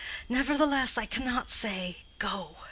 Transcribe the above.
Nevertheless, I cannot say, 'Go.